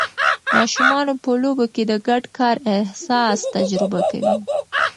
ماشومان په لوبو کې د ګډ کار احساس تجربه کوي.